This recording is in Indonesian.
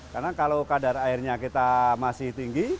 karena kalau kadar airnya kita masih tinggi